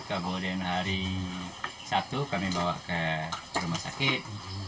kemudian hari sabtu kami bawa ke rumah sakit